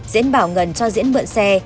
diễn bảo ngân cho diễn mượn xe